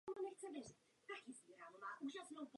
Vzhledem k těmto důvodům jsme nemohli zprávu podpořit.